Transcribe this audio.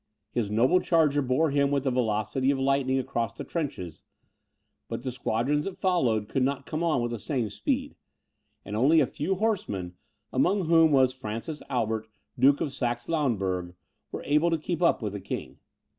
His noble charger bore him with the velocity of lightning across the trenches, but the squadrons that followed could not come on with the same speed, and only a few horsemen, among whom was Francis Albert, Duke of Saxe Lauenburg, were able to keep up with the king.